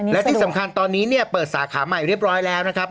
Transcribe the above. และที่สำคัญตอนนี้เนี่ยเปิดสาขาใหม่เรียบร้อยแล้วนะครับ